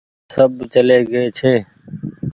سب چلي گيئي ڇي۔